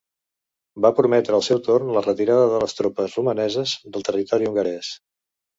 Va prometre al seu torn la retirada de les tropes romaneses de territori hongarès.